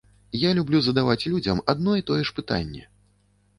Я люблю задаваць людзям адно і тое ж пытанне.